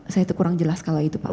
saya itu kurang jelas kalau itu pak